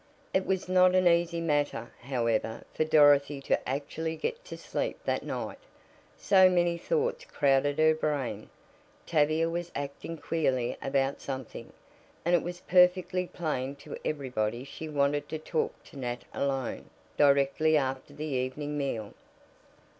It was not an easy matter, however, for Dorothy to actually get to sleep that night. So many thoughts crowded her brain: Tavia was acting queerly about something, and it was perfectly plain to everybody she wanted to talk to Nat alone, directly after the evening meal.